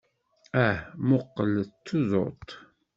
Ah, mmuqqel, d tuḍut!